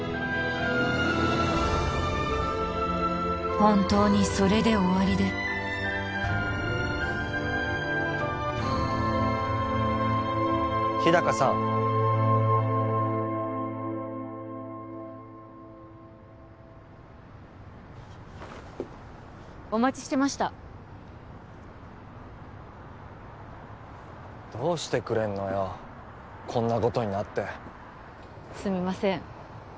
本当にそれで終わりで日高さんお待ちしてましたどうしてくれんのよこんなことになってすみません